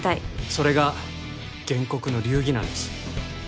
それが原告の流儀なんです